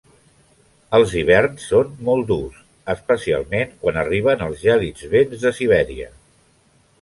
Els hiverns són molt durs, especialment quan arriben els gèlids vents de Sibèria.